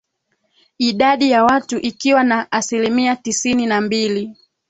Idadi ya watu ikiwa na asilimia tisini na mbili